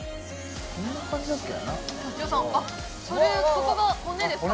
そこが骨ですか？